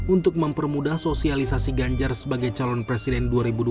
untuk mempermudah sosialisasi ganjar sebagai calon presiden dua ribu dua puluh